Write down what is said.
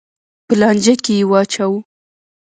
په لانجه کې یې واچوه.